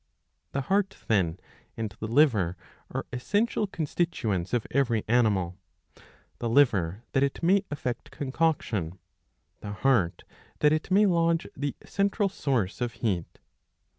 ^^ The heart then and the liver are essential constituents of every animal ; the liver that it may effect concoction, the heart that it may lodge the central source of heat.